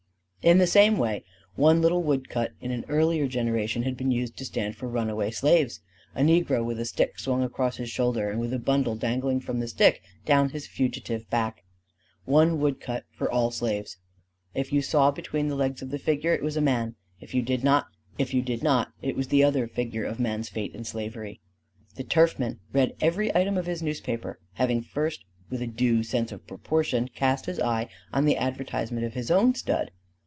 In the same way one little wood cut in an earlier generation had been used to stand for runaway slaves: a negro with a stick swung across his shoulder and with a bundle dangling from the stick down his fugitive back; one wood cut for all slaves. If you saw between the legs of the figure, it was a man; if you did not it was the other figure of man's fate in slavery. The turfman read every item of his newspaper, having first with a due sense of proportion cast his eye on the advertisement of his own stud.